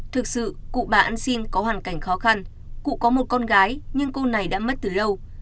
thực sự cụ bà ăn xin có hoàn cảnh khó khăn cụ có một con gái nhưng cô này đã mất từ lâu